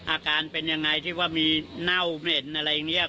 อาการเป็นยังไงที่ว่ามีเน่าเหม็นอะไรอย่างนี้